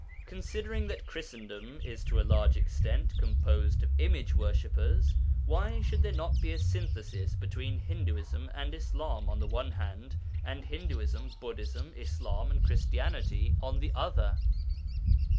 Considering that Christendom is to a large extent composed of image worshippers, why should there not be a synthesis between Hinduism and Islam on the one hand, and Hinduism, Buddhism, Islam, and Christianity on the other?